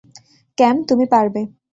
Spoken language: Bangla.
ক্যাম, তুমি পারবে।